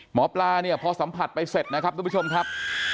หมอปลาเนี่ยพอสัมผัสไปเสร็จนะครับทุกผู้ชมครับ